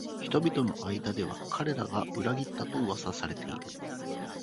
人々の間では彼らが裏切ったと噂されている